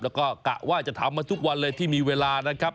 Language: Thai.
แล้วก็กะว่าจะทำมาทุกวันเลยที่มีเวลานะครับ